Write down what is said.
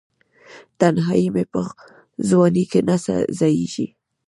تنهایې مې په ځوانۍ کې نه ځائیږې